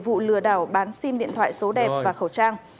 một mươi vụ lừa đảo bán sim điện thoại số đẹp và khẩu trang